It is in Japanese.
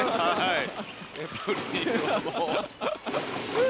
エブリンがもう。